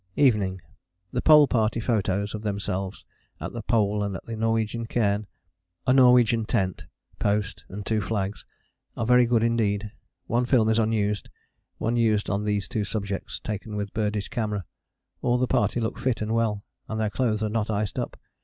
Evening. The Pole Party photos of themselves at the Pole and at the Norwegian cairn (a Norwegian tent, post and two flags) are very good indeed one film is unused, one used on these two subjects: taken with Birdie's camera. All the party look fit and well, and their clothes are not iced up.